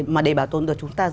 mà để bảo tồn được chúng ta